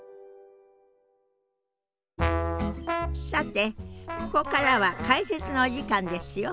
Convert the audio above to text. さてここからは解説のお時間ですよ。